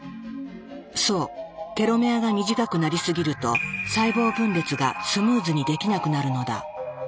そうテロメアが短くなりすぎると細胞分裂がスムーズにできなくなるのだ。